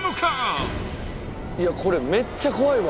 いやこれめっちゃ怖いわ。